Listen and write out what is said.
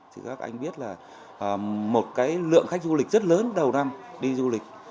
thì các anh biết là một cái lượng khách du lịch rất lớn đầu năm đi du lịch